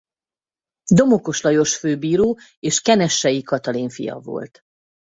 Domokos Lajos főbíró és Kenessey Katalin fia volt.